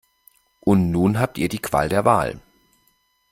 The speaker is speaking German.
Und nun habt ihr die Qual der Wahl.